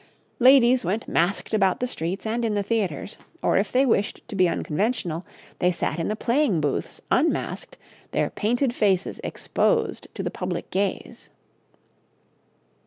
Ladies went masked about the streets and in the theatres, or if they wished to be unconventional, they sat in the playing booths unmasked, their painted faces exposed to the public gaze.